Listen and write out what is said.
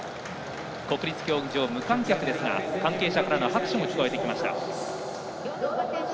国立競技場は無観客ですが関係者からの拍手が聞こえてきました。